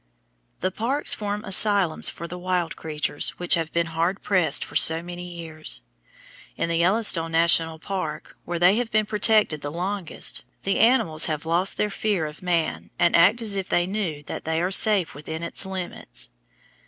The parks form asylums for the wild creatures which have been hard pressed for so many years. In the Yellowstone National Park, where they have been protected the longest, the animals have almost lost their fear of man and act as if they knew that they are safe within its limits.